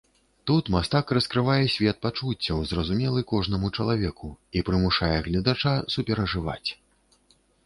Тут мастак раскрывае свет пачуццяў, зразумелы кожнаму чалавеку, і прымушае гледача суперажываць.